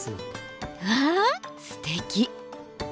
わあすてき。